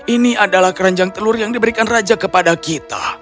ini adalah keranjang telur yang diberikan raja kepada kita